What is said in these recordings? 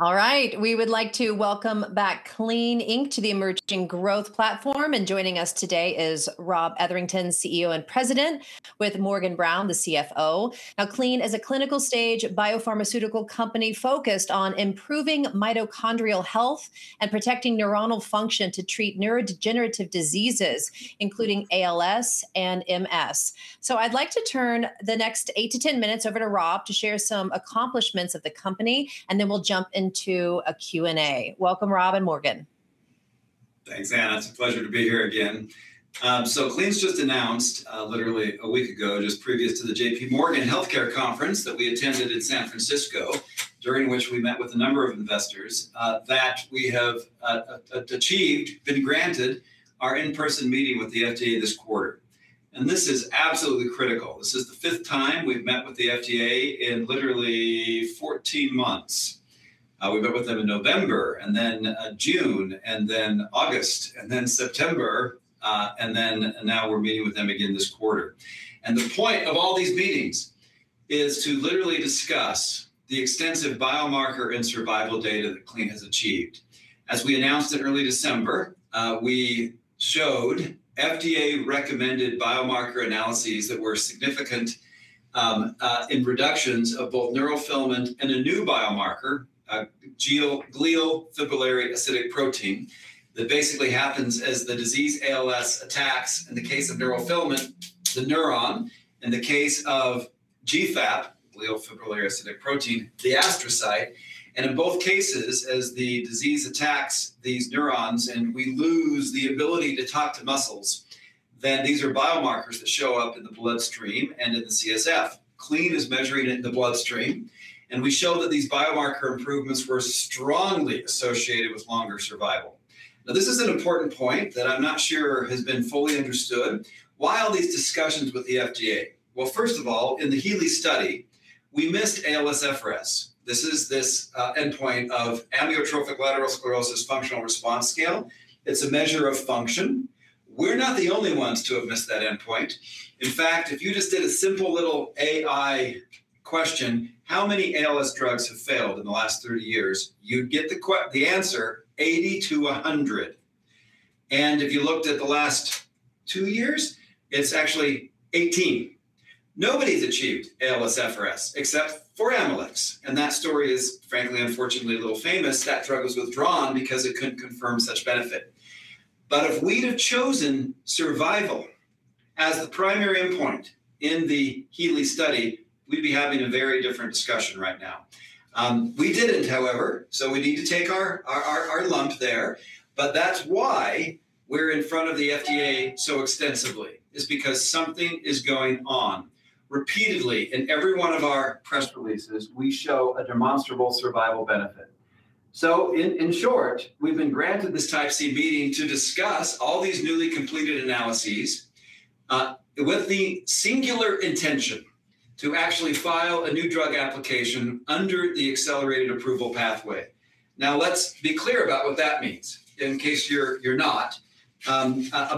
All right. We would like to welcome back Clene Inc to the Emerging Growth platform, and joining us today is Rob Etherington, CEO and President, with Morgan Brown, the CFO. Now, Clene is a clinical stage biopharmaceutical company focused on improving mitochondrial health and protecting neuronal function to treat neurodegenerative diseases, including ALS and MS, so I'd like to turn the next eight to 10 minutes over to Rob to share some accomplishments of the company, and then we'll jump into a Q&A. Welcome, Rob and Morgan. Thanks, Anne. It's a pleasure to be here again. So Clene's just announced literally a week ago, just previous to the JPMorgan Healthcare Conference that we attended in San Francisco, during which we met with a number of investors, that we have achieved, been granted our in-person meeting with the FDA this quarter. And this is absolutely critical. This is the fifth time we've met with the FDA in literally 14 months. We met with them in November, and then June, and then August, and then September, and then now we're meeting with them again this quarter. And the point of all these meetings is to literally discuss the extensive biomarker and survival data that Clene has achieved. As we announced in early December, we showed FDA-recommended biomarker analyses that were significant in reductions of both neurofilament and a new biomarker, glial fibrillary acidic protein, that basically happens as the disease ALS attacks, in the case of neurofilament, the neuron. In the case of GFAP, glial fibrillary acidic protein, the astrocytes, and in both cases, as the disease attacks these neurons and we lose the ability to talk to muscles, then these are biomarkers that show up in the bloodstream and in the CSF. Clene is measuring it in the bloodstream. And we show that these biomarker improvements were strongly associated with longer survival. Now, this is an important point that I'm not sure has been fully understood. Why all these discussions with the FDA?, well, first of all, in the HEALEY study, we missed ALSFRS. This is the endpoint of Amyotrophic Lateral Sclerosis Functional Rating Scale. It's a measure of function. We're not the only ones to have missed that endpoint. In fact, if you just did a simple little AI question, how many ALS drugs have failed in the last 30 years, you'd get the answer 80-100. And if you looked at the last two years, it's actually 18. Nobody's achieved ALSFRS except for Amylyx. And that story is, frankly, unfortunately a little famous. That drug was withdrawn because it couldn't confirm such benefit. But if we'd have chosen survival as the primary endpoint in the HEALEY study, we'd be having a very different discussion right now. We didn't, however, so we need to take our lumps there. But that's why we're in front of the FDA so extensively is because something is going on. Repeatedly, in every one of our press releases, we show a demonstrable survival benefit. So in short, we've been granted this Type C meeting to discuss all these newly completed analyses with the singular intention to actually file a New Drug Application under the accelerated approval pathway. Now, let's be clear about what that means in case you're not. A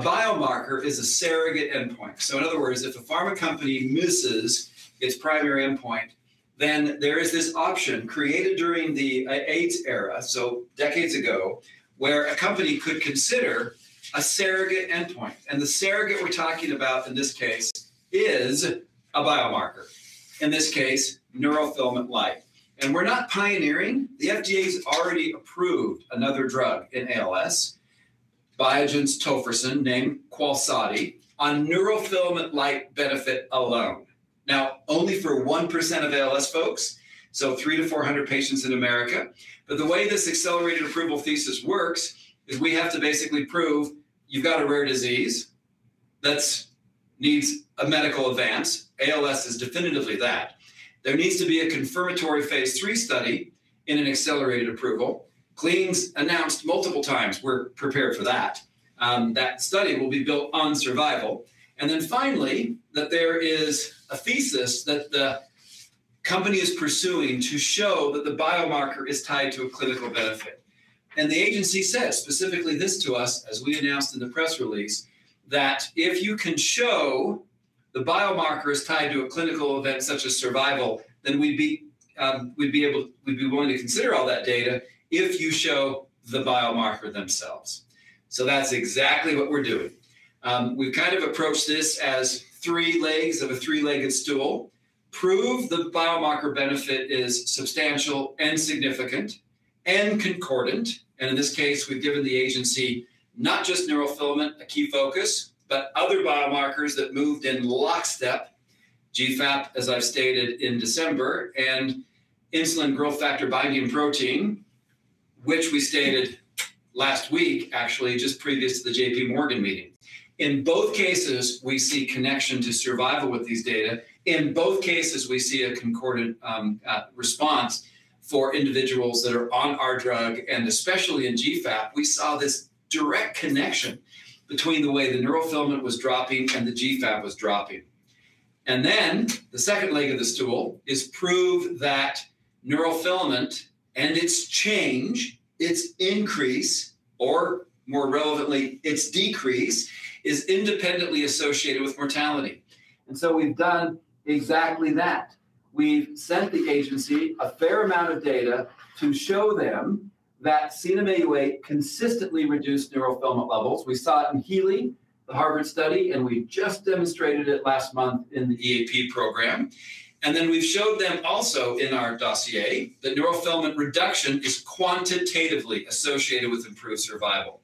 biomarker is a surrogate endpoint. So in other words, if a pharma company misses its primary endpoint, then there is this option created during the AIDS era, so decades ago, where a company could consider a surrogate endpoint. And the surrogate we're talking about in this case is a biomarker, in this case, neurofilament light. And we're not pioneering. The FDA's already approved another drug in ALS, Biogen's Tofersen, named Qalsody, on neurofilament light benefit alone, now only for 1% of ALS folks, so 300-400 patients in America. But the way this accelerated approval thesis works is we have to basically prove you've got a rare disease that needs a medical advance. ALS is definitively that. There needs to be a confirmatory phase III study in an accelerated approval. Clene's announced multiple times we're prepared for that. That study will be built on survival. And then finally, that there is a thesis that the company is pursuing to show that the biomarker is tied to a clinical benefit. And the agency says specifically this to us, as we announced in the press release, that if you can show the biomarker is tied to a clinical event such as survival, then we'd be willing to consider all that data if you show the biomarker themselves. So that's exactly what we're doing. We've kind of approached this as three legs of a three-legged stool. Prove the biomarker benefit is substantial and significant and concordant, and in this case, we've given the agency not just neurofilament, a key focus, but other biomarkers that moved in lockstep. GFAP, as I've stated in December, and insulin-like growth factor binding protein, which we stated last week, actually, just previous to the JPMorgan meeting. In both cases, we see connection to survival with these data. In both cases, we see a concordant response for individuals that are on our drug, and especially in GFAP, we saw this direct connection between the way the neurofilament was dropping and the GFAP was dropping. Then the second leg of the stool is prove that neurofilament and its change, its increase, or more relevantly, its decrease is independently associated with mortality, and so we've done exactly that. We've sent the agency a fair amount of data to show them that CNM-Au8 consistently reduced neurofilament levels. We saw it in HEALEY, the Harvard study, and we just demonstrated it last month in the EAP program. Then we've showed them also in our dossier that neurofilament reduction is quantitatively associated with improved survival,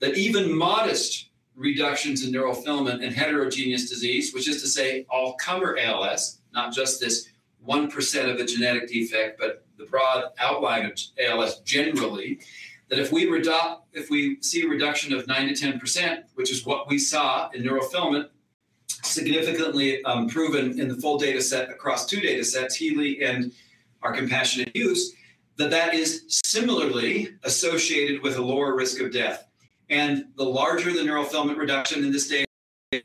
that even modest reductions in neurofilament and heterogeneous disease, which is to say all-comer ALS, not just this 1% of a genetic defect, but the broad outline of ALS generally, that if we see a reduction of 9%-10%, which is what we saw in neurofilament, significantly proven in the full data set across two data sets, HEALEY and our compassionate use, that that is similarly associated with a lower risk of death. The larger the neurofilament reduction in this data, the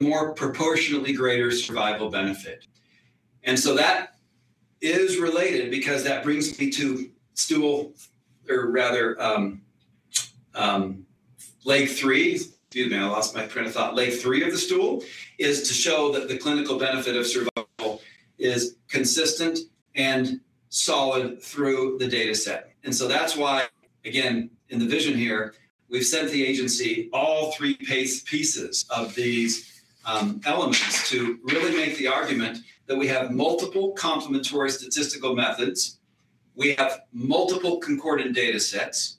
more proportionately greater survival benefit. And so that is related because that brings me to stool, or rather leg three. Excuse me, I lost my train of thought. Leg three of the stool is to show that the clinical benefit of survival is consistent and solid through the data set. And so that's why, again, in the vision here, we've sent the agency all three pieces of these elements to really make the argument that we have multiple complementary statistical methods. We have multiple concordant data sets.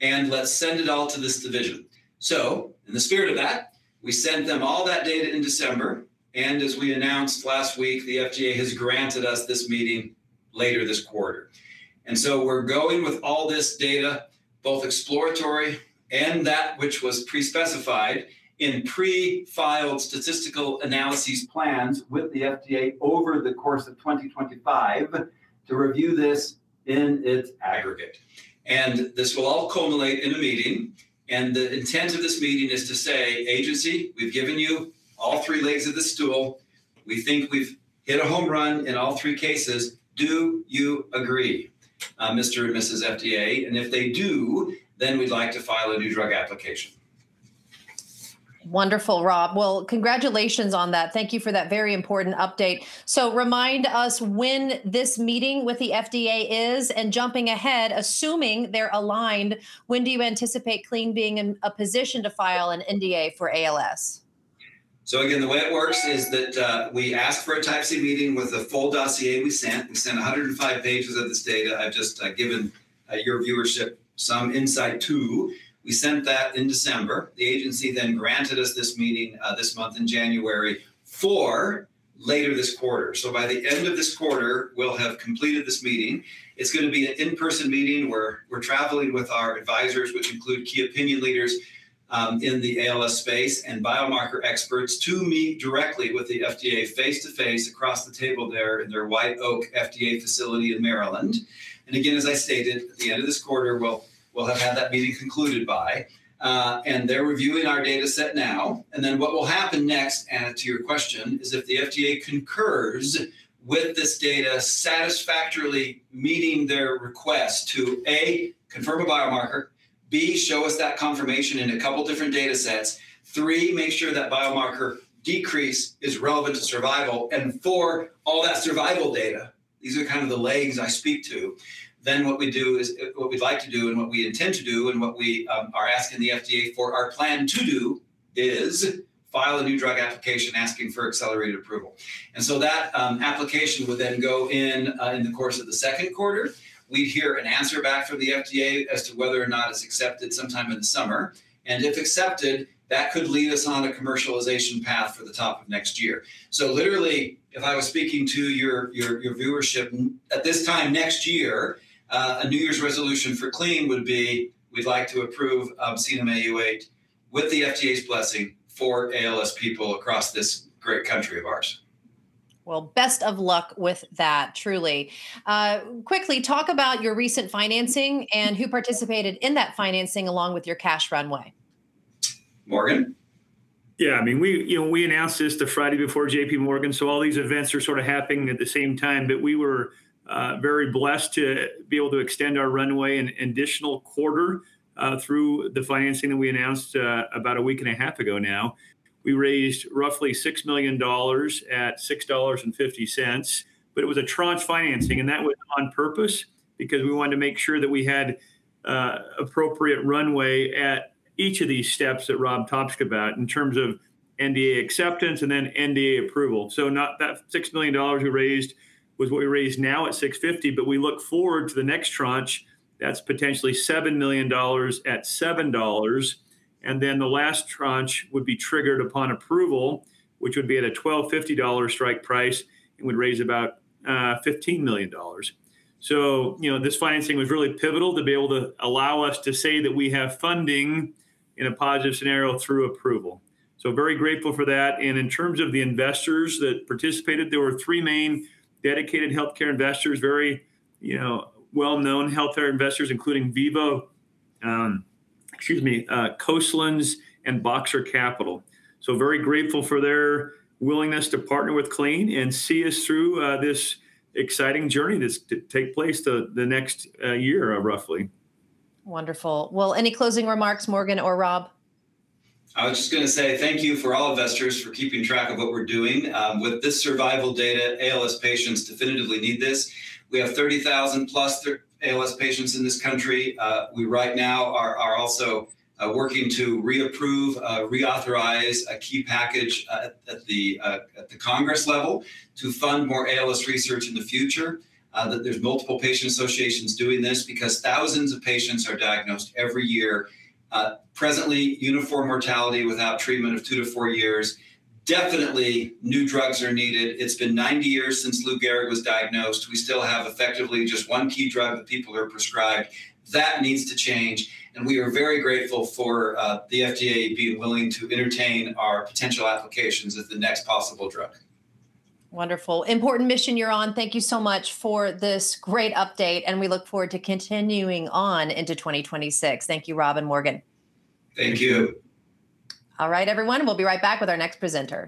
And let's send it all to this division. So in the spirit of that, we sent them all that data in December. And as we announced last week, the FDA has granted us this meeting later this quarter. And so we're going with all this data, both exploratory and that which was pre-specified in pre-filed statistical analyses plans with the FDA over the course of 2025 to review this in its aggregate. And this will all culminate in a meeting. And the intent of this meeting is to say, "Agency, we've given you all three legs of the stool. We think we've hit a home run in all three cases. Do you agree, Mr. and Mrs. FDA?" And if they do, then we'd like to file a New Drug Application. Wonderful, Rob. Well, congratulations on that. Thank you for that very important update. So remind us when this meeting with the FDA is? And jumping ahead, assuming they're aligned, when do you anticipate Clene being in a position to file an NDA for ALS? So again, the way it works is that we asked for a Type C meeting with the full dossier we sent. We sent 105 pages of this data I've just given your viewership some insight to. We sent that in December. The agency then granted us this meeting this month in January for later this quarter. So by the end of this quarter, we'll have completed this meeting. It's going to be an in-person meeting where we're traveling with our advisors, which include key opinion leaders in the ALS space and biomarker experts to meet directly with the FDA face to face across the table there in their White Oak FDA facility in Maryland. And again, as I stated, at the end of this quarter, we'll have had that meeting concluded by. And they're reviewing our data set now. And then what will happen next, Anne, to your question, is if the FDA concurs with this data satisfactorily meeting their request to, A, confirm a biomarker, B, show us that confirmation in a couple of different data sets, three, make sure that biomarker decrease is relevant to survival, and four, all that survival data, these are kind of the legs I speak to. Then what we do is what we'd like to do and what we intend to do and what we are asking the FDA for our plan to do is file a New Drug Application asking for accelerated approval. And so that application would then go in in the course of the second quarter. We'd hear an answer back from the FDA as to whether or not it's accepted sometime in the summer. If accepted, that could lead us on a commercialization path for the top of next year. Literally, if I was speaking to your viewership, at this time next year, a New Year's resolution for Clene would be, "We'd like to approve CNM-Au8 with the FDA's blessing for ALS people across this great country of ours. Best of luck with that, truly. Quickly, talk about your recent financing and who participated in that financing along with your cash runway. Morgan. Yeah. I mean, we announced this the Friday before JPMorgan. So all these events are sort of happening at the same time. But we were very blessed to be able to extend our runway an additional quarter through the financing that we announced about a week and a half ago now. We raised roughly $6 million at $6.50. But it was a tranche financing. And that was on purpose because we wanted to make sure that we had appropriate runway at each of these steps that Rob talked about in terms of NDA acceptance and then NDA approval. So that $6 million we raised was what we raised now at $6.50. But we look forward to the next tranche that's potentially $7 million at $7. And then the last tranche would be triggered upon approval, which would be at a $12.50 strike price and would raise about $15 million. So this financing was really pivotal to be able to allow us to say that we have funding in a positive scenario through approval. So very grateful for that. And in terms of the investors that participated, there were three main dedicated healthcare investors, very well-known healthcare investors, including Vivo, excuse me, Castellan, and Boxer Capital. So very grateful for their willingness to partner with Clene and see us through this exciting journey that's to take place the next year roughly. Wonderful. Well, any closing remarks, Morgan or Rob? I was just going to say thank you for all investors for keeping track of what we're doing. With this survival data, ALS patients definitively need this. We have 30,000+ ALS patients in this country. We right now are also working to reapprove, reauthorize a key package at the Congress level to fund more ALS research in the future. There's multiple patient associations doing this because thousands of patients are diagnosed every year. Presently, uniform mortality without treatment of two to four years. Definitely, new drugs are needed. It's been 90 years since Lou Gehrig was diagnosed. We still have effectively just one key drug that people are prescribed. That needs to change, and we are very grateful for the FDA being willing to entertain our potential applications as the next possible drug. Wonderful. Important mission you're on. Thank you so much for this great update, and we look forward to continuing on into 2026. Thank you, Rob and Morgan. Thank you. All right, everyone. We'll be right back with our next presenter.